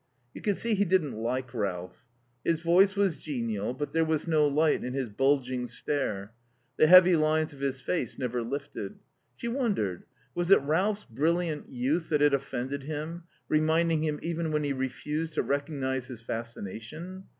You could see he didn't like Ralph. His voice was genial, but there was no light in his bulging stare; the heavy lines of his face never lifted. She wondered: Was it Ralph's brilliant youth that had offended him, reminding him, even when he refused to recognize his fascination?